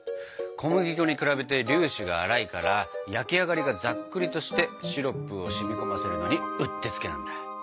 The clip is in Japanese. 小麦粉に比べて粒子が粗いから焼き上がりがざっくりとしてシロップを染み込ませるのにうってつけなんだ。